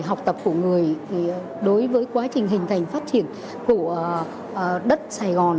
học tập của người đối với quá trình hình thành phát triển của đất sài gòn